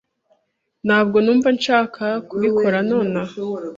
Ntabwo numva nshaka kubikora nonaha.